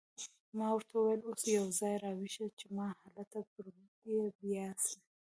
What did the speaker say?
ما ورته وویل: اوس یو ځای را وښیه چې ما هلته پرېباسي.